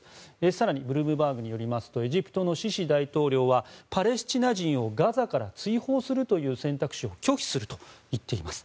更にブルームバーグによりますとエジプトのシシ大統領はパレスチナ人をガザから追放するという選択肢を拒否すると言っています。